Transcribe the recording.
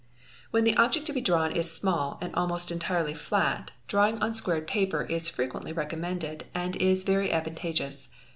,_ When the object to be drawn is small and almost or entirely flat, fawing on squared paper is frequently recommended and is very advan tageous.